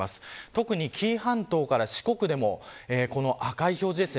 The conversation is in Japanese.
特に紀伊半島から四国でもこの赤い表示です。